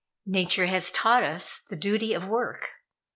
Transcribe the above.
Nature has taught us the duty of work.